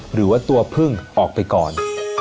หรือว่าตัวพึ่งออกไปก่อน